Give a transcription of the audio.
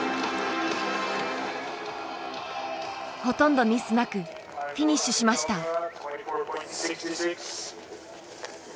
ほとんどミスなくフィニッシュしました。